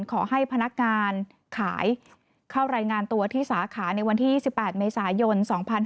ขอให้พนักงานขายเข้ารายงานตัวที่สาขาในวันที่๑๘เมษายน๒๕๕๙